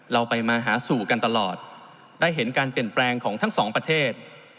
เราไปมาหาสู่กันตลอดได้เห็นการเปลี่ยนแปลงของทั้งสองประเทศ